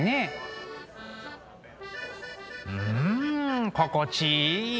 うん心地いい。